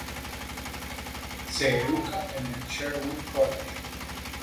Se educa en el "Sherwood College".